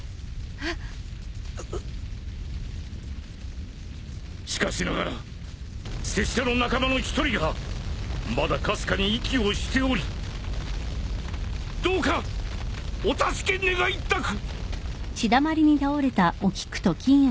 えっ？しかしながら拙者の仲間の１人がまだかすかに息をしておりどうかお助け願いたく。